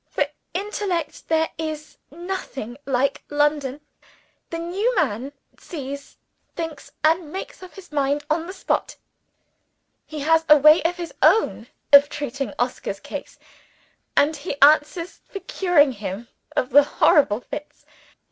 for intellect there is nothing like London. The new man sees, thinks, and makes up his mind on the spot. He has a way of his own of treating Oscar's case; and he answers for curing him of the horrible fits.